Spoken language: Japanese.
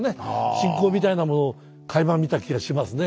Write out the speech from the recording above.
信仰みたいなものをかいま見た気がしますね。